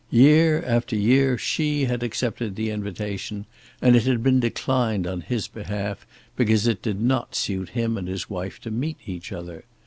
Year after year she had accepted the invitation, and it had been declined on his behalf, because it did not suit him and his wife to meet each other.